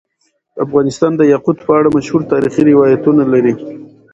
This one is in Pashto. افغانستان د یاقوت په اړه مشهور تاریخی روایتونه لري.